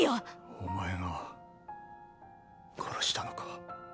⁉お前が殺したのか。